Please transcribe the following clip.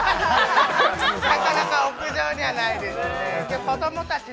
なかなか屋上にはないですね。